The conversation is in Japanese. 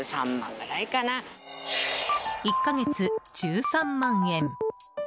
１か月１３万円。